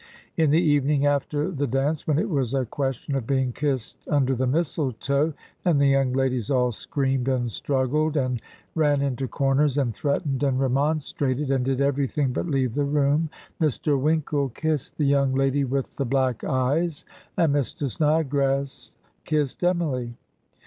In the evening, after the dance, when it was a question of being kissed imder the mistletoe, and the young ladies all " scresuned and struggled, and ran into comers, and threatened and remonstrated, and did everything but leave the room, ... Mr. Winkle kissed the young lady with the black eyes, and Mr. Snodgrass kissed Emily."